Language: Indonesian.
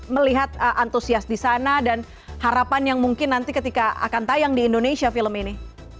melihat antusias di sana dan harapan yang mungkin nanti ketika akan tayang di indonesia film ini